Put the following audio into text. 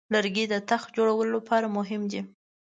لرګی د تخت جوړولو لپاره مهم دی.